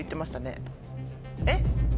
えっ。